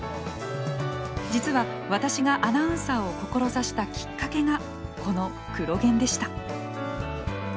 実は私がアナウンサーを志したきっかけがこの「クロ現」でした。